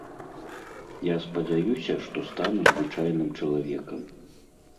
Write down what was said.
Я спадзяюся, што стану звычайным чалавекам.